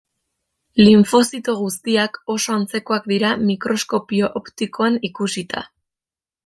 Linfozito guztiak oso antzekoak dira mikroskopio optikoan ikusita.